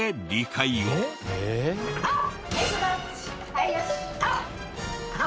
はいよし！